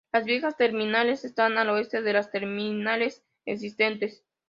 Las viejas terminales están al oeste de las terminales existentes.